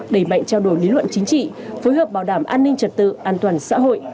đẩy mạnh trao đổi lý luận chính trị phối hợp bảo đảm an ninh trật tự an toàn xã hội